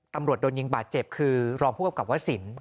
ตำรวจโดนยิงบาดเจ็บคือรองผู้กำกับวสิน